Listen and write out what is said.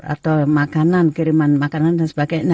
atau makanan kiriman makanan dan sebagainya